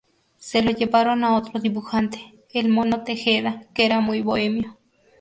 Se lo llevaron a otro dibujante, el Mono Tejeda, que era muy bohemio.